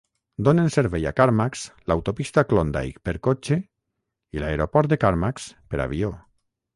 Donen servei a Carmacks l'autopista Klondike per cotxe i l'aeroport de Carmacks per avió.